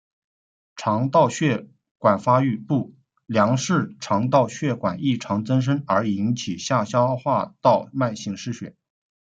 肠道血管发育不良是肠道血管异常增生而引起下消化道慢性失血。